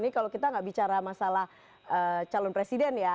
ini kalau kita nggak bicara masalah calon presiden ya